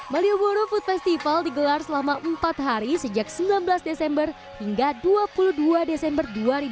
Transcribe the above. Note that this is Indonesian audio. malioboro food festival digelar selama empat hari sejak sembilan belas desember hingga dua puluh dua desember dua ribu dua puluh